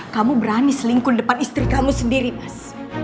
kamu berani selingkuh depan istri kamu sendiri mas